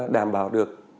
đảm bảo được